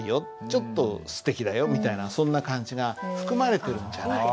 ちょっとすてきだよみたいなそんな感じが含まれてるんじゃないか。